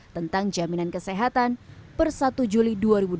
tentang jaminan kesehatan per satu juli dua ribu dua puluh